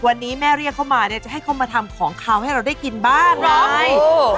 วันนี้แม่เรียกเขามาเนี่ยจะให้เขามาทำของขาวให้เราได้กินบ้านเลย